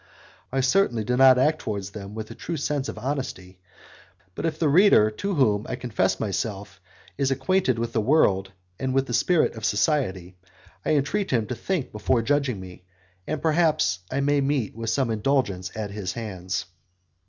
I certainly did not act towards them with a true sense of honesty, but if the reader to whom I confess myself is acquainted with the world and with the spirit of society, I entreat him to think before judging me, and perhaps I may meet with some indulgence at his hands.